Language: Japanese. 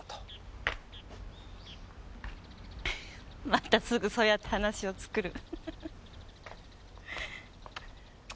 またすぐそうやって話を作る。